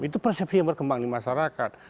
itu persepsi yang berkembang di masyarakat